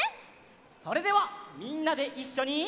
それではみんなでいっしょに。